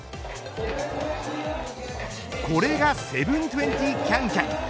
これが７２０キャンキャン。